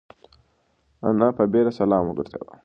انا په بيړه سلام وگرځاوه.